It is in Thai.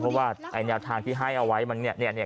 เพราะว่าไอ้เนียมท่านที่ให้เอาไว้มันเนี่ยเนี่ยเนี่ย